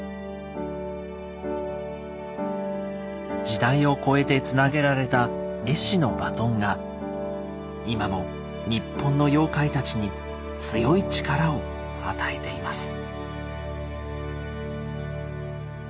時代を超えてつなげられた絵師のバトンが今もニッポンの妖怪たちに強い力を与えています。